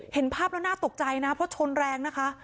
เห็นภาพแล้วน่าตกใจนะเพราะชนแรงนะคะ